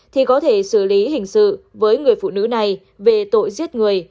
thì có thể xử lý hình sự với người phụ nữ này về tội giết người